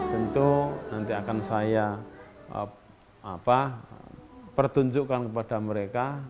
tentu nanti akan saya pertunjukkan kepada mereka